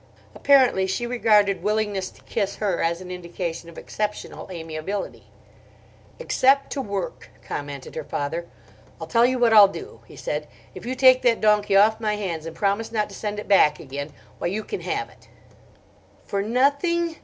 Apparently she regarded willingness to kiss her as indication of exceptional amiability. "Except to work," commented her father. "I'll tell you what I'll do," he said. "If you take that donkey off my hands and promise not to send it back again, why, you can have it." "For nothing?"